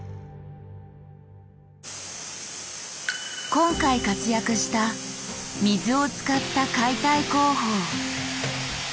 今回活躍した水を使った解体工法。